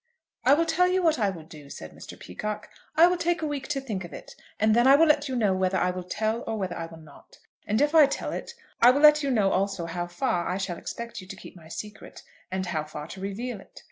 "I will tell you what I will do," said Mr. Peacocke; "I will take a week to think of it, and then I will let you know whether I will tell it or whether I will not; and if I tell it I will let you know also how far I shall expect you to keep my secret, and how far to reveal it.